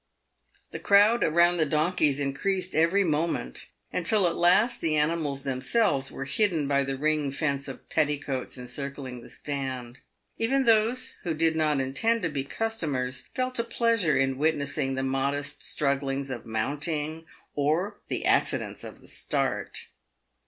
The crowd around the donkeys increased every moment, until at last the animals themselves were hidden by the ring fence of petti coats encircling the stand. Even those who did not intend to be customers felt a pleasure in witnessing the modest strugglings of mounting or the accidents of the start.